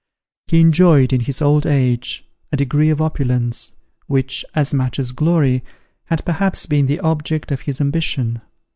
He enjoyed in his old age, a degree of opulence, which, as much as glory, had perhaps been the object of his ambition.